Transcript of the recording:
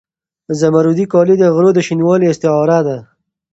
زمردي کالي د غرو د شینوالي استعاره ده.